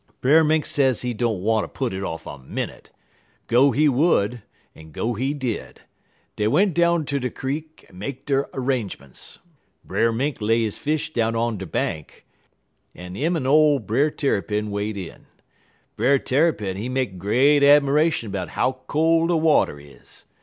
"Brer Mink say he don't wanter put it off a minnit. Go he would, en go he did. Dey went down ter creek en make der 'rangerments. Brer Mink lay he fish down on der bank, en 'im en ole Brer Tarrypin wade in. Brer Tarrypin he make great 'miration 'bout how col' he water is.